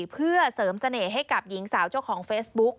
เพื่อเสริมเสน่ห์ให้กับหญิงสาวเจ้าของเฟซบุ๊ก